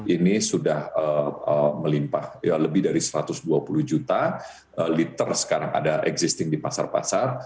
ini sudah melimpah lebih dari satu ratus dua puluh juta liter sekarang ada existing di pasar pasar